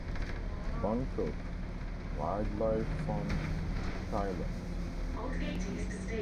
Bangkok: Wildlife Fund Thailand.